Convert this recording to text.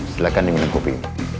silahkan diminum kopi